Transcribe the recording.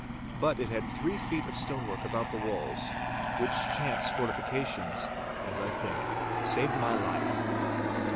But it had three feet of stonework about the walls, which chance fortifications, as I think, saved my life.